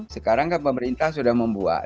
sekarang kan pemerintah sudah membuat